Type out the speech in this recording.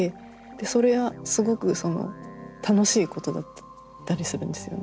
それはすごくその楽しいことだったりするんですよね。